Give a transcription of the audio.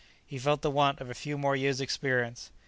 He felt the want of a few more years' experience.